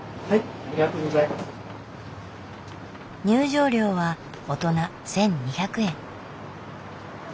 入場料は大人１，２００円。